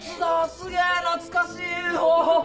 すげえ懐かしい！